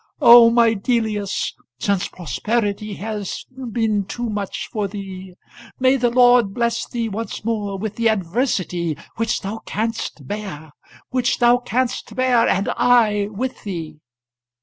Oh my Delius, since prosperity has been too much for thee, may the Lord bless thee once more with the adversity which thou canst bear which thou canst bear, and I with thee!"